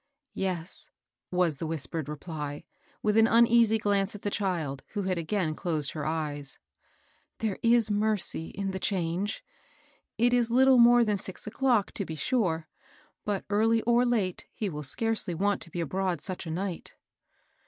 '*" Yes," was the whispered reply, with an uneasy glance at the child, who had again closed her eyes, ^^ there is mercy in the change I It is little more than six o'clock, to be sure ; but, early or late, he will scarcely want to be abroad such a night."